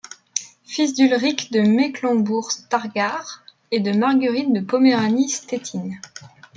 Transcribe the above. Fils d'Ulrich de Mecklembourg-Stargard et de Marguerite de Poméranie-Stettin.